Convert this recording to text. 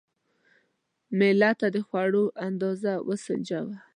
مېلمه ته د خوړو اندازه وسنجوه.